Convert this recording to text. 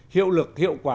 ba hiệu lực hiệu quả